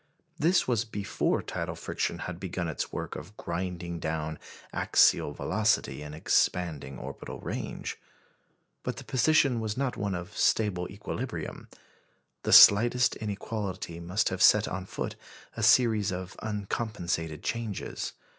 This was before tidal friction had begun its work of grinding down axial velocity and expanding orbital range. But the position was not one of stable equilibrium. The slightest inequality must have set on foot a series of uncompensated changes.